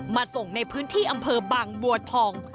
มาส่งในพื้นที่อำเภอบางบัวทอง